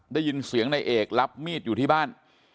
ได้ยินเสียงนายเอกรับมีดอยู่ที่บ้าน